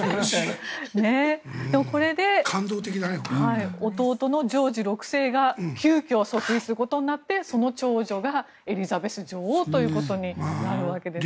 これで弟のジョージ６世が急きょ即位することになってその長女がエリザベス女王ということになるわけですね。